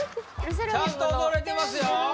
ちゃんと踊れてますよ